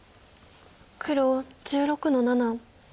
黒１６の七。